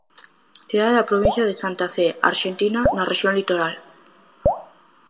Cidade da provincia de Santa Fe, Arxentina, na rexión Litoral.